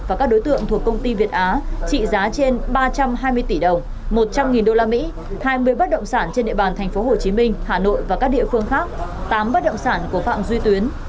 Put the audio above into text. và các đối tượng thuộc công ty việt á trị giá trên ba trăm hai mươi tỷ đồng một trăm linh usd hai mươi bất động sản trên địa bàn tp hcm hà nội và các địa phương khác tám bất động sản của phạm duy tuyến